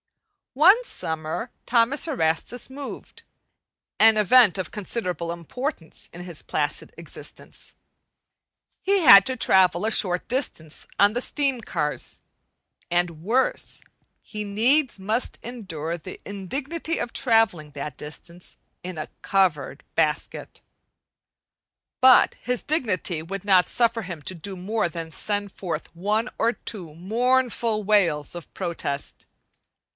One summer Thomas Erastus moved an event of considerable importance in his placid existence. He had to travel a short distance on the steam cars; and worse, he needs must endure the indignity of travelling that distance in a covered basket. But his dignity would not suffer him to do more than send forth one or two mournful wails of protest.